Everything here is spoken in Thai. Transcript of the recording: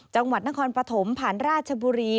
จังหวัดนครปฐมผ่านราชบุรี